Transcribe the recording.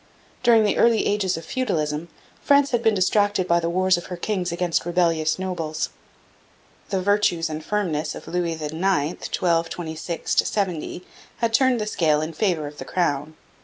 During the early ages of feudalism France had been distracted by the wars of her kings against rebellious nobles. The virtues and firmness of Louis IX (1226 70) had turned the scale in favour of the crown.